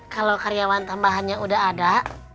kalau karyawan tambahannya udah ada